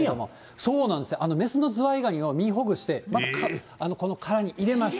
そうなんです、雌のズワイガニの身ほぐして、この殻に入れまして。